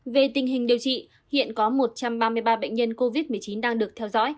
về tình hình điều trị hiện có một trăm ba mươi ba bệnh nhân covid một mươi chín đang được theo dõi